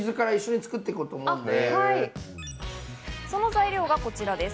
その材料がこちらです。